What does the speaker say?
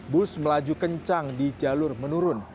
bus melaju kencang di jalur menurun